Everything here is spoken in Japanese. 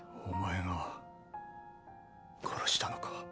⁉お前が殺したのか。